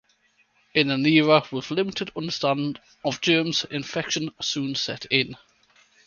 In an era with limited understanding of germs, infection soon set in.